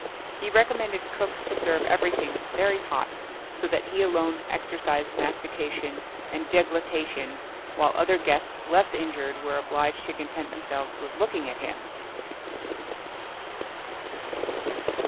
He recommended cooks to serve everything very hot, so that he alone exercised mastication and deglutition, while other guests less inured, were obliged to content themselves with looking at him.